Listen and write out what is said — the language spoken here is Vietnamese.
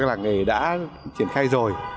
các làng nghề đã triển khai rồi